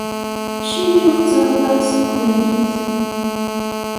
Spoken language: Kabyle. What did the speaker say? Acimi ur tettaruḍ ara s teqbaylit?